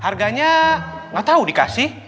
harganya gak tau dikasih